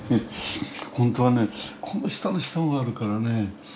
本当はねこの下の下もあるからね。